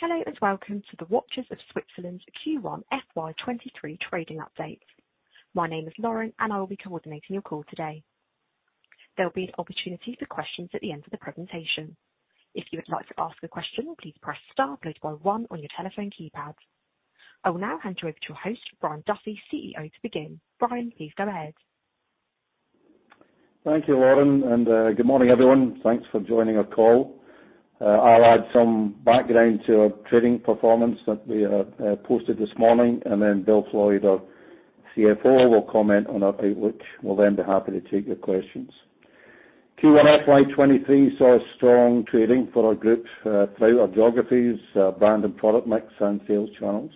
Hello, and welcome to the Watches of Switzerland's Q1 FY23 trading update. My name is Lauren, and I will be coordinating your call today. There'll be an opportunity for questions at the end of the presentation. If you would like to ask a question, please press star followed by one on your telephone keypad. I will now hand you over to your host, Brian Duffy, CEO, to begin. Brian, please go ahead. Thank you, Lauren, and good morning, everyone. Thanks for joining our call. I'll add some background to our trading performance that we have posted this morning, and then Bill Floydd, our CFO, will comment on our outlook. We'll then be happy to take your questions. Q1 FY23 saw strong trading for our group throughout our geographies, brand and product mix and sales channels,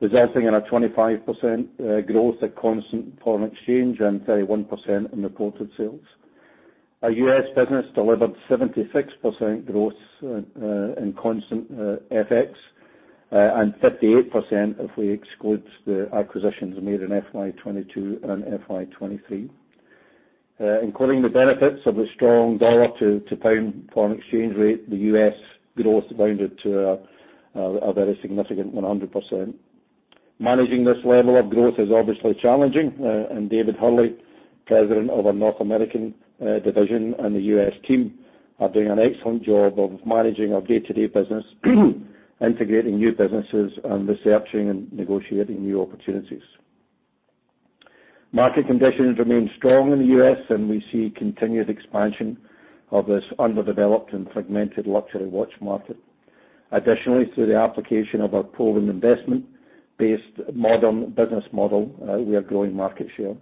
resulting in a 25% growth at constant foreign exchange and 31% in reported sales. Our U.S. business delivered 76% growth in constant FX and 58% if we exclude the acquisitions made in FY22 and FY23. Including the benefits of the strong dollar to pound foreign exchange rate, the U.S. growth rounded to a very significant 100%. Managing this level of growth is obviously challenging, and David Hurley, President of our North American division and the U.S. team are doing an excellent job of managing our day-to-day business, integrating new businesses and researching and negotiating new opportunities. Market conditions remain strong in the U.S., and we see continued expansion of this underdeveloped and fragmented luxury watch market. Additionally, through the application of our proven investment-based modern business model, we are growing market share.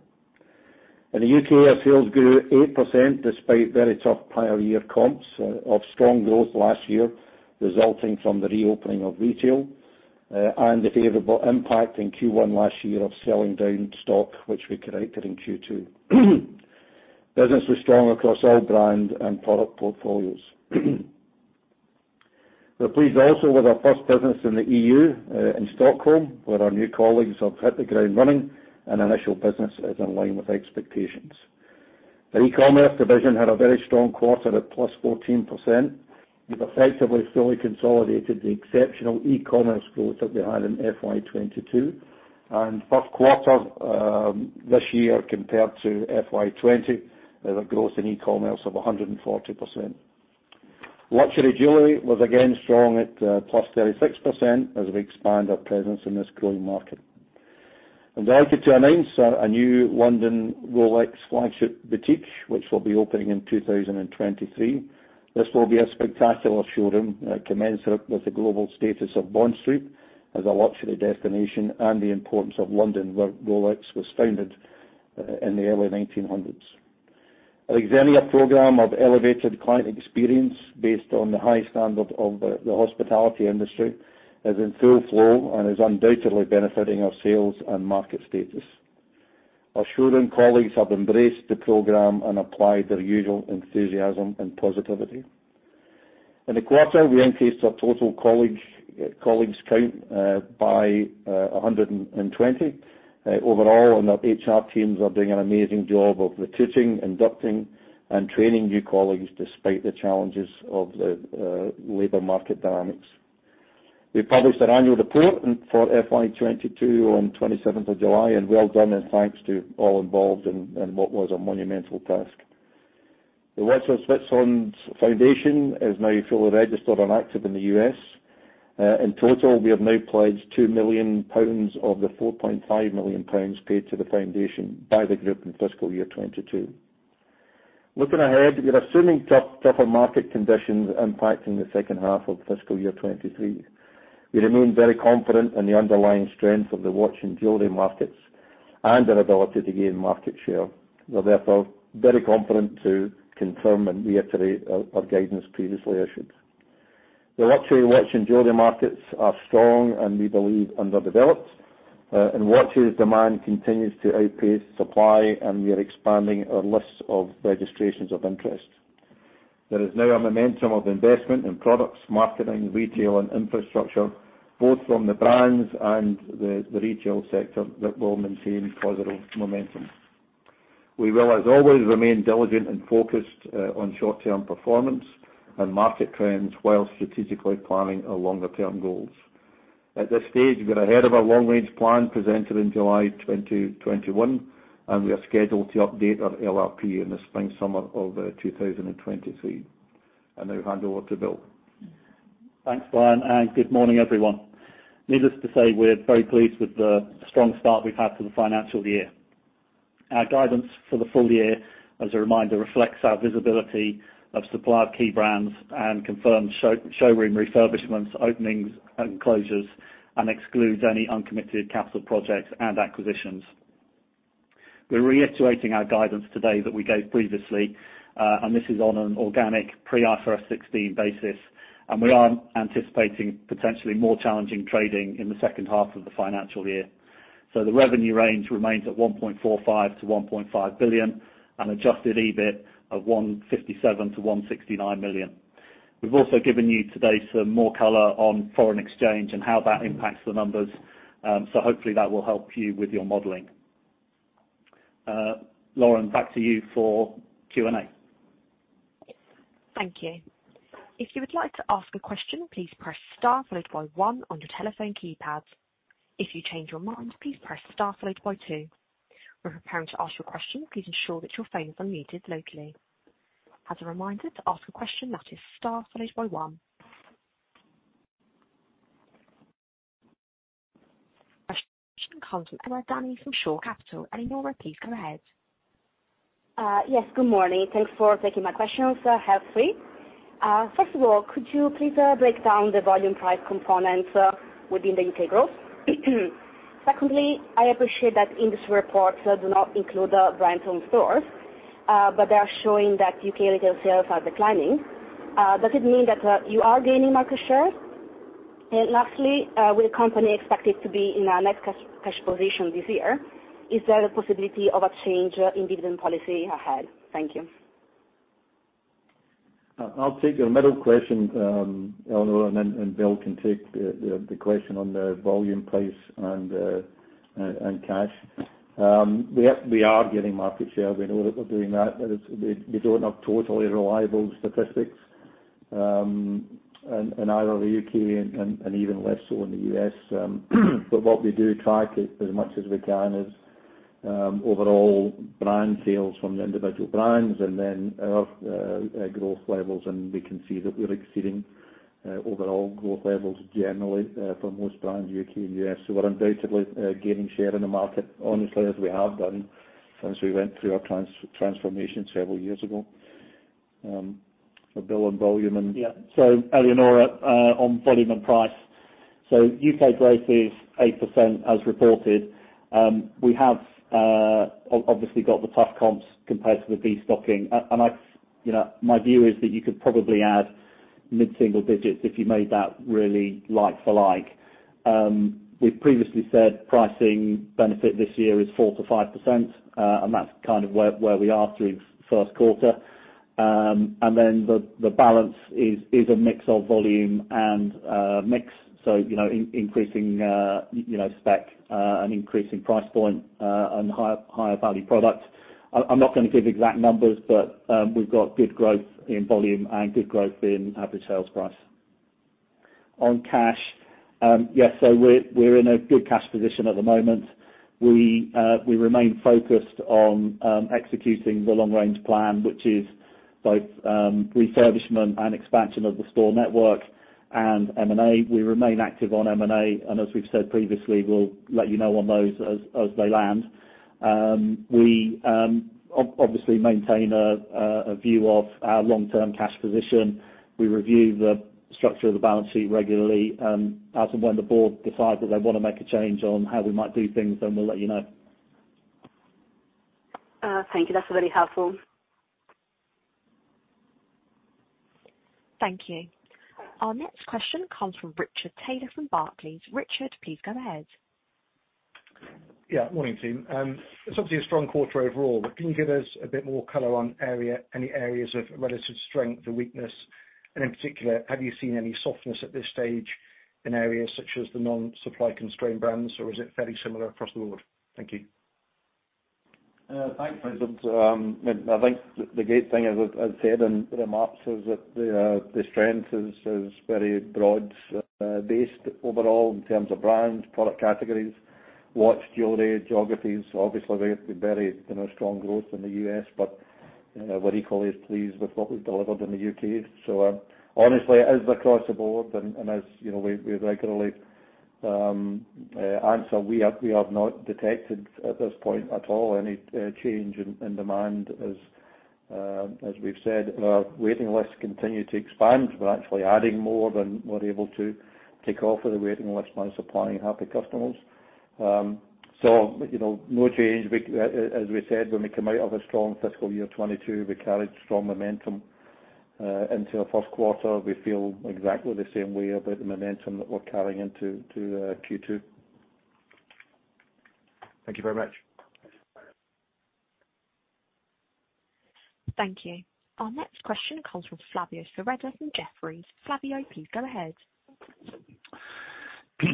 In the U.K., our sales grew 8% despite very tough prior year comps of strong growth last year, resulting from the reopening of retail, and the favorable impact in Q1 last year of selling down stock, which we corrected in Q2. Business was strong across all brand and product portfolios. We're pleased also with our first business in the EU in Stockholm, where our new colleagues have hit the ground running and initial business is in line with expectations. The e-commerce division had a very strong quarter at +14%. We've effectively fully consolidated the exceptional e-commerce growth that we had in FY22 and first quarter this year compared to FY20, we have a growth in e-commerce of 140%. Luxury jewelry was again strong at +36% as we expand our presence in this growing market. I'm delighted to announce a new London Rolex flagship boutique, which will be opening in 2023. This will be a spectacular showroom commensurate with the global status of Bond Street as a luxury destination and the importance of London, where Rolex was founded in the early 1900s. Our Xenia program of elevated client experience based on the high standard of the hospitality industry is in full flow and is undoubtedly benefiting our sales and market status. Our showroom colleagues have embraced the program and applied their usual enthusiasm and positivity. In the quarter, we increased our total colleagues' count by 120 overall, and our HR teams are doing an amazing job of recruiting, inducting, and training new colleagues despite the challenges of the labor market dynamics. We published our annual report and for FY22 on the 27th of July, and well done and thanks to all involved in what was a monumental task. The Watches of Switzerland Group Foundation is now fully registered and active in the U.S. In total, we have now pledged 2 million pounds of the 4.5 million pounds paid to the foundation by the group in fiscal year 2022. Looking ahead, we are assuming tougher market conditions impacting the second half of fiscal year 2023. We remain very confident in the underlying strength of the watch and jewelry markets and our ability to gain market share. We're therefore very confident to confirm and reiterate our guidance previously issued. The luxury watch and jewelry markets are strong and we believe underdeveloped. Watches demand continues to outpace supply, and we are expanding our lists of registrations of interest. There is now a momentum of investment in products, marketing, retail, and infrastructure, both from the brands and the retail sector that will maintain positive momentum. We will, as always, remain diligent and focused on short-term performance and market trends while strategically planning our longer-term goals. At this stage, we are ahead of our long-range plan presented in July 2021, and we are scheduled to update our LRP in the spring/summer of 2023. I now hand over to Bill. Thanks, Brian, and good morning, everyone. Needless to say, we're very pleased with the strong start we've had to the financial year. Our guidance for the full year, as a reminder, reflects our visibility of supply of key brands and confirms showroom refurbishments, openings, and closures and excludes any uncommitted capital projects and acquisitions. We're reiterating our guidance today that we gave previously, and this is on an organic pre-IFRS 16 basis, and we are anticipating potentially more challenging trading in the second half of the financial year. The revenue range remains at 1.45 billion-1.5 billion and adjusted EBIT of 157 million-169 million. We've also given you today some more color on foreign exchange and how that impacts the numbers, so hopefully that will help you with your modeling. Lauren, back to you for Q&A. Thank you. If you would like to ask a question, please press star followed by one on your telephone keypads. If you change your mind, please press star followed by two. When preparing to ask your question, please ensure that your phone is unmuted locally. As a reminder, to ask a question, that is star followed by one. Our first question comes from Eleonora Dani from Shore Capital. Eleonora, please go ahead. Yes. Good morning. Thanks for taking my questions. I have three. First of all, could you please break down the volume/price components within the integrals? Secondly, I appreciate that industry reports do not include the brand's own stores, but they are showing that U.K. retail sales are declining. Does it mean that you are gaining market share? Lastly, will the company expect it to be in a net cash position this year? Is there a possibility of a change in dividend policy ahead? Thank you. I'll take your middle question, Eleonora, and then Bill can take the question on the volume/price and cash. We are getting market share. We know that we're doing that, but we don't have totally reliable statistics in either the U.K. and even less so in the U.S. What we do track as much as we can is overall brand sales from the individual brands and then our growth levels, and we can see that we're exceeding overall growth levels generally for most brands, U.K. and U.S. We're undoubtedly gaining share in the market, honestly, as we have done since we went through our transformation several years ago. Bill, on volume/price and Yeah. Eleonora, on volume and price. U.K. growth is 8% as reported. We have obviously got the tough comps compared to the restocking. You know, my view is that you could probably add mid-single digits if you made that really like-for-like. We've previously said pricing benefit this year is 4%-5%, and that's kind of where we are through first quarter. Then the balance is a mix of volume and mix, so you know, increasing spec and increasing price point and higher value products. I'm not gonna give exact numbers, but we've got good growth in volume and good growth in average sales price. On cash, yes, we're in a good cash position at the moment. We remain focused on executing the long range plan, which is both refurbishment and expansion of the store network and M&A. We remain active on M&A, and as we've said previously, we'll let you know on those as they land. We obviously maintain a view of our long-term cash position. We review the structure of the balance sheet regularly as and when the board decides that they wanna make a change on how we might do things, then we'll let you know. Thank you. That's really helpful. Thank you. Our next question comes from Richard Taylor from Barclays. Richard, please go ahead. Yeah. Morning, team. It's obviously a strong quarter overall, but can you give us a bit more color on area, any areas of relative strength or weakness? In particular, have you seen any softness at this stage in areas such as the non-supply constrained brands, or is it fairly similar across the board? Thank you. Thanks, Richard. I think the great thing, as said in the remarks, is that the strength is very broad based overall in terms of brands, product categories, watches, jewelry, geographies. Obviously we have the very, you know, strong growth in the U.S., but we're equally as pleased with what we've delivered in the U.K. Honestly, it is across the board, and as you know, we regularly answer, we have not detected at this point at all any change in demand as we've said. Our waiting lists continue to expand. We're actually adding more than we're able to take off of the waiting list by supplying happy customers. You know, no change. We, as we said, when we come out of a strong fiscal year 2022, we carried strong momentum into the first quarter. We feel exactly the same way about the momentum that we're carrying into Q2. Thank you very much. Thank you. Our next question comes from Flavio Cereda from Jefferies. Flavio, please go ahead.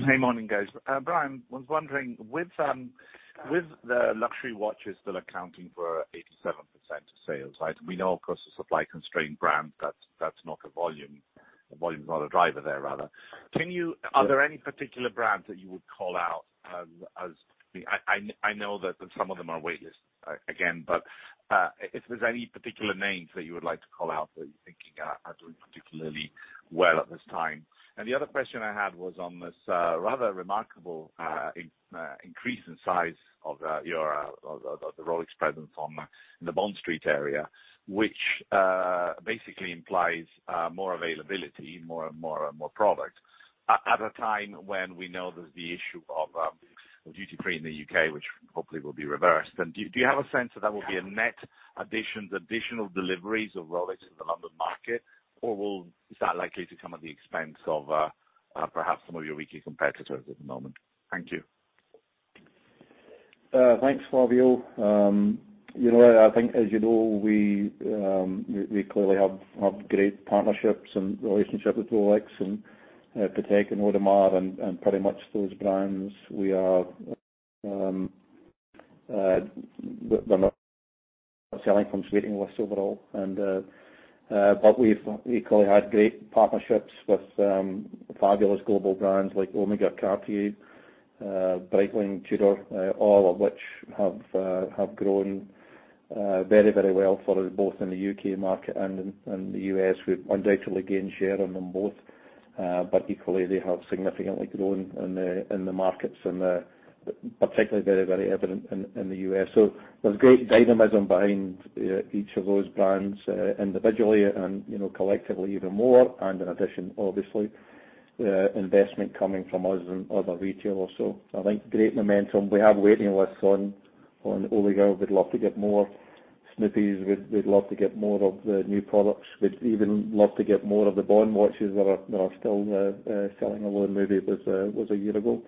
Hey, morning, guys. Brian, was wondering, with the luxury watches still accounting for 87% of sales, right? We know across the supply constrained brands, that's not the volume. The volume is not a driver there, rather. Can you- Yeah. Are there any particular brands that you would call out? I know that some of them are wait-listed again, but if there's any particular names that you would like to call out that you're thinking are doing particularly well at this time? The other question I had was on this rather remarkable increase in size of the Rolex presence in the Bond Street area, which basically implies more availability, more and more product at a time when we know there's the issue of duty free in the U.K., which hopefully will be reversed. Do you have a sense that there will be a net additions, additional deliveries of Rolex in the London market, or is that likely to come at the expense of, perhaps some of your weaker competitors at the moment? Thank you. Thanks, Flavio. You know, I think as you know, we clearly have great partnerships and relationship with Rolex and Patek and Audemars and pretty much those brands. We are, they're not selling from waiting lists overall, but we've equally had great partnerships with fabulous global brands like OMEGA, Cartier, Breitling, Tudor, all of which have grown very well for us, both in the U.K. market and the U.S. We've undoubtedly gained share on them both, but equally, they have significantly grown in the markets and particularly very evident in the U.S. There's great dynamism behind each of those brands individually and, you know, collectively even more, and in addition, obviously, investment coming from us and other retailers. I think great momentum. We have waiting lists on OMEGA. We'd love to get more. Snoopy's, we'd love to get more of the new products. We'd even love to get more of the Bond watches that are still selling although the movie was a year ago.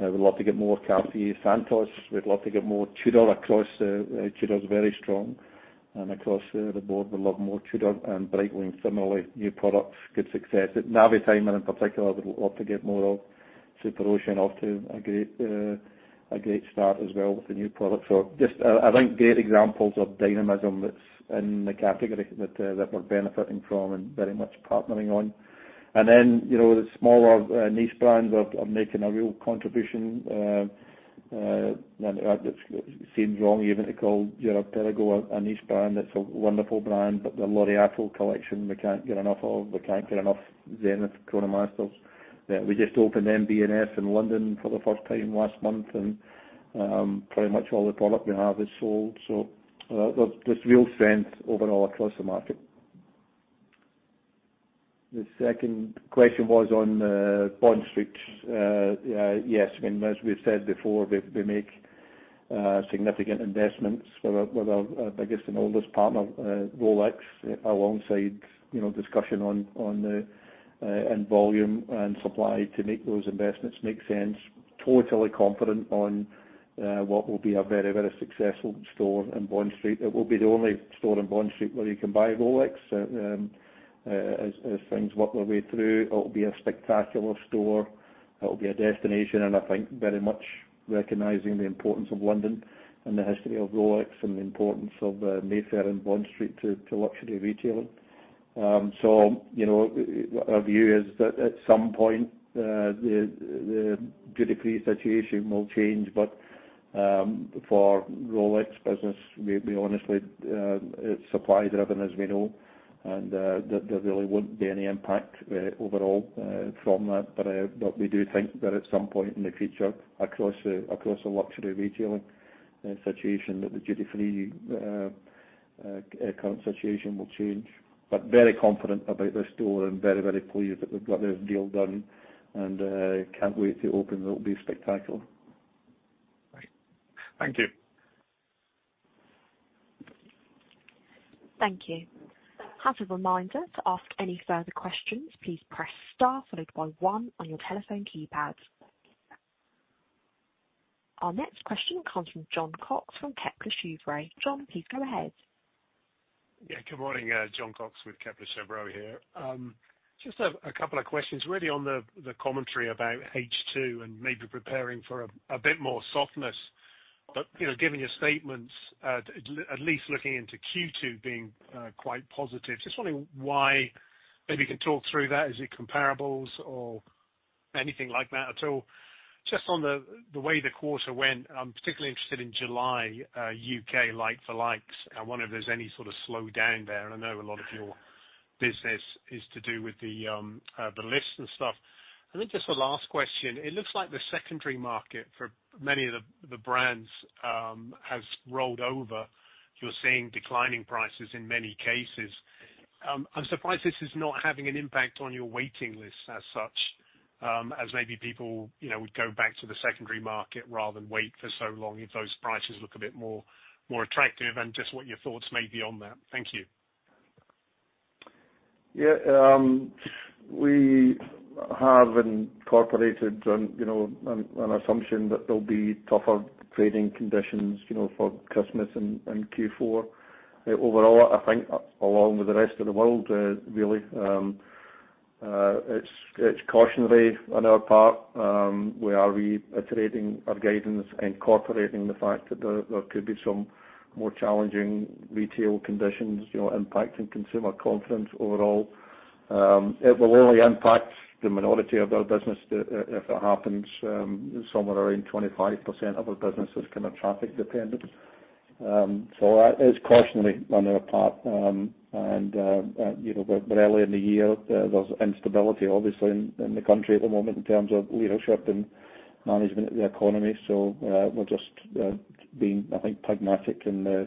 We'd love to get more Santos de Cartier. We'd love to get more Tudor across. Tudor is very strong. Across the board, we'd love more Tudor and Breitling. Similarly, new products, good success. At Navitimer in particular, we would love to get more of. Superocean off to a great start as well with the new product. Just, I think, great examples of dynamism that's in the category that we're benefiting from and very much partnering on. You know, the smaller niche brands are making a real contribution. It seems wrong even to call Girard-Perregaux a niche brand. It's a wonderful brand, but the Laureato collection, we can't get enough of. We can't get enough Zenith Chronomasters. We just opened MB&F in London for the first time last month, and pretty much all the product we have is sold. There's real strength overall across the market. The second question was on Bond Street. Yes, I mean, as we've said before, we make significant investments with our biggest and oldest partner, Rolex, alongside, you know, discussion on volume and supply to make those investments make sense. Totally confident on what will be a very successful store in Bond Street. It will be the only store in Bond Street where you can buy a Rolex. As things work their way through, it'll be a spectacular store. It'll be a destination, and I think very much recognizing the importance of London and the history of Rolex and the importance of Mayfair and Bond Street to luxury retailing. You know, our view is that at some point the duty-free situation will change, but for Rolex business, we honestly it's supply-driven, as we know, and there really won't be any impact overall from that. We do think that at some point in the future, across the luxury retailing situation, that the duty-free current situation will change. Very confident about this store and very, very pleased that we've got this deal done and, can't wait to open. It'll be spectacular. Great. Thank you. Thank you. As a reminder, to ask any further questions, please press star followed by one on your telephone keypad. Our next question comes from Jon Cox from Kepler Cheuvreux. John, please go ahead. Good morning. Jon Cox with Kepler Cheuvreux here. Just a couple of questions, really on the commentary about H2 and maybe preparing for a bit more softness. You know, given your statements, at least looking into Q2 being quite positive, just wondering why. Maybe you can talk through that. Is it comparables or anything like that at all? Just on the way the quarter went, I'm particularly interested in July, U.K. like for likes. I wonder if there's any sort of slowdown there? I know a lot of your business is to do with the lists and stuff. Just a last question. It looks like the secondary market for many of the brands has rolled over. You're seeing declining prices in many cases. I'm surprised this is not having an impact on your waiting lists as such, as maybe people, you know, would go back to the secondary market rather than wait for so long if those prices look a bit more attractive, and just what your thoughts may be on that? Thank you. Yeah. We have incorporated, you know, an assumption that there'll be tougher trading conditions, you know, for Christmas in Q4. Overall, I think along with the rest of the world, it's cautionary on our part. We are reiterating our guidance, incorporating the fact that there could be some more challenging retail conditions, you know, impacting consumer confidence overall. It will only impact the minority of our business if it happens. Somewhere around 25% of our business is kind of traffic dependent. It's cautionary on our part. You know, we're early in the year. There's instability obviously in the country at the moment in terms of leadership and management of the economy. We're just being, I think, pragmatic and, as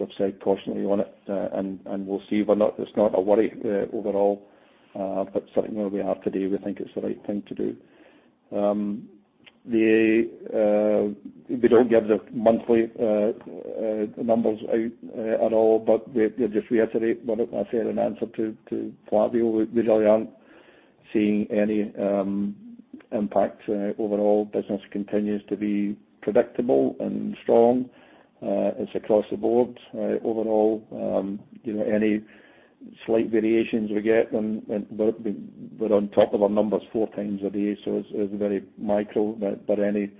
I've said, cautiously on it. We'll see. It's not a worry overall, but something that we have to do. We think it's the right thing to do. We don't give the monthly numbers out at all, but we just reiterate what I said in answer to Flavio. We really aren't seeing any impact. Overall business continues to be predictable and strong. It's across the board. Overall, you know, any slight variations we get when we're on top of our numbers 4x a day, so it's very micro. But any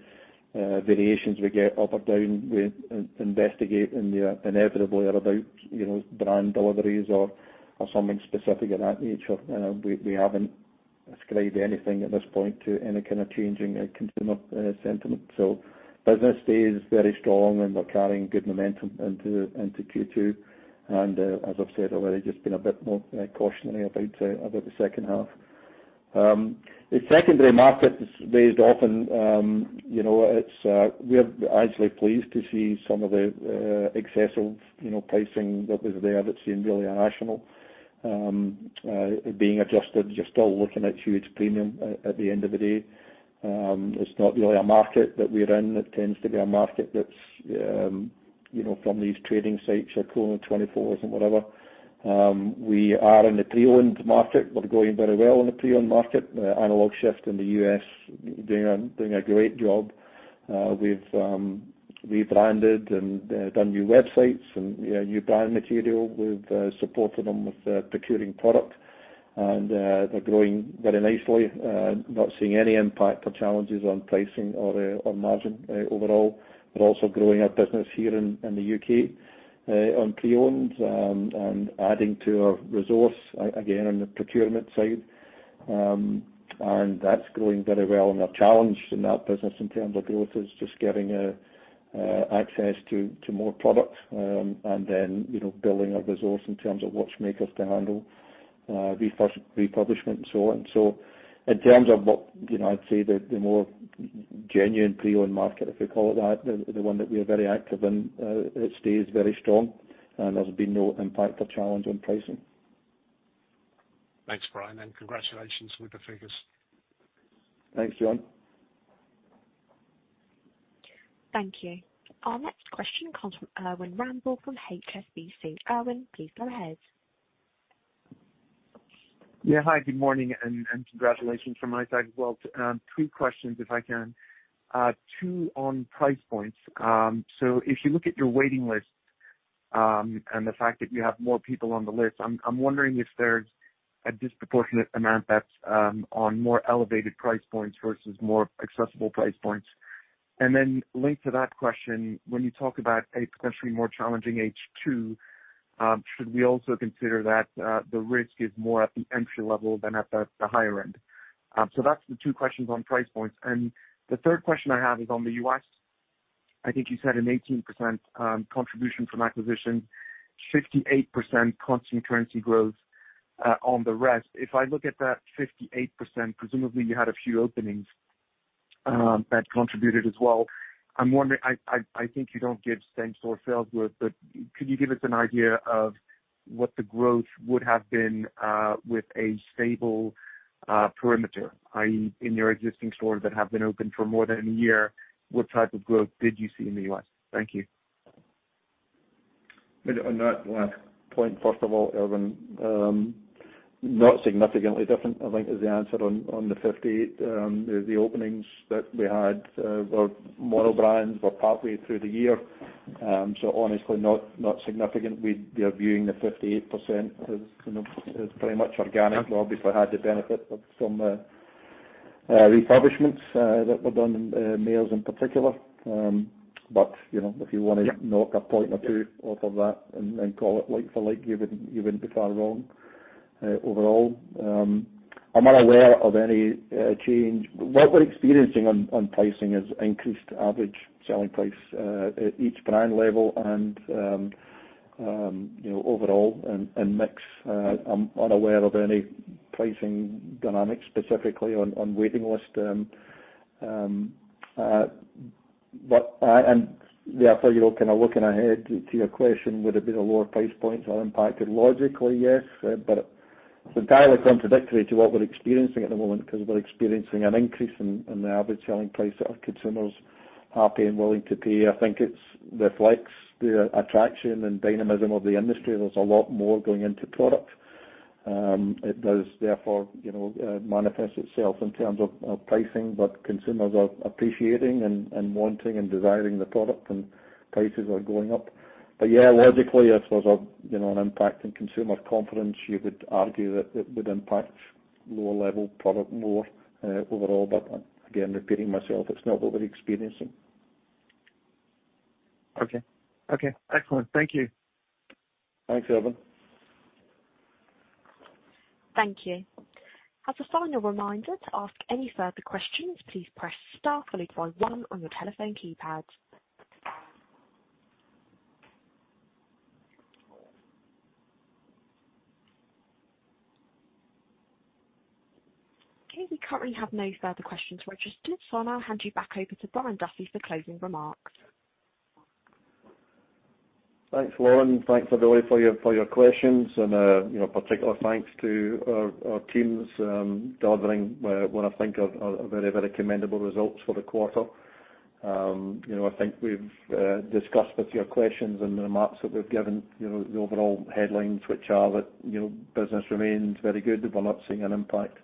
variations we get up or down we investigate, and they're inevitably about, you know, brand deliveries or something specific of that nature. You know, we haven't ascribed anything at this point to any kind of changing consumer sentiment. Business stays very strong, and we're carrying good momentum into Q2. As I've said already, just being a bit more cautionary about the second half. The secondary market is raised often. You know, we're actually pleased to see some of the excessive, you know, pricing that was there that seemed really irrational being adjusted. You're still looking at huge premium at the end of the day. It's not really a market that we're in. It tends to be a market that's, you know, from these trading sites, your Chrono24 and whatever. We are in the pre-owned market. We're growing very well in the pre-owned market. Analog:Shift in the U.S. doing a great job. We've rebranded and done new websites and, you know, new brand material. We've supported them with procuring product and they're growing very nicely. Not seeing any impact or challenges on pricing or on margin overall. We're also growing our business here in the U.K. on pre-owned and adding to our resource again on the procurement side. That's growing very well. Our challenge in that business in terms of growth is just getting access to more product and then you know building our resource in terms of watchmakers to handle refurbishment and so on. In terms of what you know I'd say the more genuine pre-owned market if we call it that the one that we are very active in it stays very strong and there's been no impact or challenge on pricing. Thanks, Brian, and congratulations with the figures. Thanks, Jon. Thank you. Our next question comes from Erwan Rambourg from HSBC. Erwan, please go ahead. Yeah. Hi, good morning, and congratulations from my side as well. Two questions if I can. Two on price points. So if you look at your waiting list, and the fact that you have more people on the list, I'm wondering if there's a disproportionate amount that's on more elevated price points versus more accessible price points? Then linked to that question, when you talk about a potentially more challenging H2, should we also consider that the risk is more at the entry level than at the higher end? So that's the two questions on price points. The third question I have is on the U.S. I think you said an 18% contribution from acquisition, 58% constant currency growth, on the rest. If I look at that 58%, presumably you had a few openings, that contributed as well. I'm wondering, I think you don't give same store sales growth, but could you give us an idea of what the growth would have been, with a stable, perimeter, i.e. in your existing stores that have been open for more than a year, what type of growth did you see in the U.S.? Thank you. On that last point, first of all, Erwan, not significantly different I think is the answer on the 58%. The openings that we had were mono-brand. We're partway through the year. So honestly, not significant. They're viewing the 58% as, you know, as pretty much organic. We obviously had the benefit of some refurbishments that were done in Mayors in particular. But, you know, if you wanna knock a point or two off of that and then call it like for like, you wouldn't be far wrong. Overall, I'm unaware of any change. What we're experiencing on pricing is increased average selling price at each brand level and, you know, overall and mix. I'm unaware of any pricing dynamics specifically on waiting list. I am therefore, you know, kinda looking ahead to your question. Would it be the lower price points are impacted? Logically, yes, but it's entirely contradictory to what we're experiencing at the moment 'cause we're experiencing an increase in the average selling price that our consumers are happy and willing to pay. I think it reflects the attraction and dynamism of the industry. There's a lot more going into product. It does therefore, you know, manifest itself in terms of pricing, but consumers are appreciating and wanting and desiring the product and prices are going up. Yeah, logically, if there was a, you know, an impact in consumer confidence, you would argue that it would impact lower level product more, overall. Again, repeating myself, it's not what we're experiencing. Okay. Okay, excellent. Thank you. Thanks, Erwan. Thank you. As a final reminder, to ask any further questions, please press star followed by one on your telephone keypad. Okay. We currently have no further questions registered, so I'll now hand you back over to Brian Duffy for closing remarks. Thanks, Lauren. Thanks everybody for your questions and, you know, particular thanks to our teams delivering what I think are very commendable results for the quarter. You know, I think we've discussed with your questions and the remarks that we've given, you know, the overall headlines, which are that, you know, business remains very good. We're not seeing an impact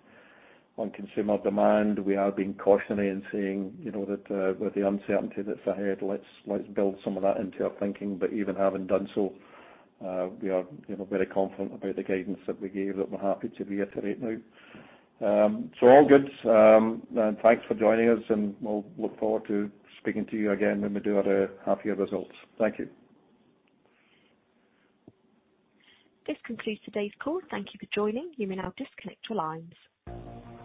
on consumer demand. We are being cautionary in saying, you know, that, with the uncertainty that's ahead, let's build some of that into our thinking. Even having done so, we are, you know, very confident about the guidance that we gave, that we're happy to reiterate now. So all good. Thanks for joining us, and we'll look forward to speaking to you again when we do our half year results. Thank you. This concludes today's call. Thank you for joining. You may now disconnect your lines.